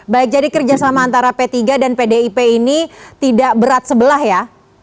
baik jadi kerjasama antara p tiga dan pdip ini tidak berat sebelah ya